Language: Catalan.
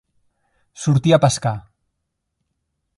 Sortir a pescar.